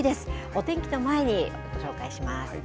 お天気の前にご紹介します。